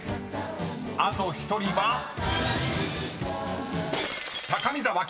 あと１人は］